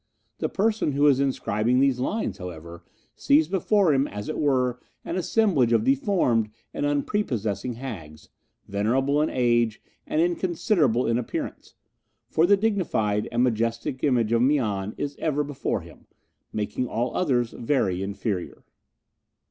The person who is inscribing these lines, however, Sees before him, as it were, an assemblage of deformed and un prepossessing hags, Venerable in age and inconsiderable in appearance; For the dignified and majestic image of Mian is ever before him, Making all others very inferior.